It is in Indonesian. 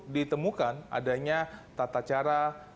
ditemukan adanya tata cara